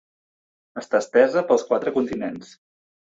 Està estesa pels quatre continents.